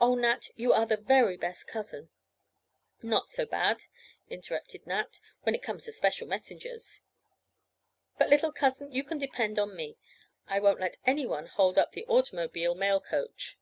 Oh, Nat, you are the very best cousin—" "Not so bad," interrupted Nat, "when it comes to special messengers. But, little cousin, you can depend on me. I won't let any one hold up the automobile mail coach."